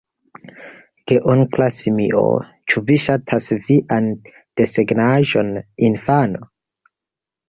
Geonkla simio: "Ĉu vi ŝatas vian desegnaĵon, infano?"